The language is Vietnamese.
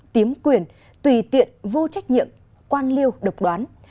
tiếm quyền tùy tiện vô trách nhiệm quan liêu độc đoán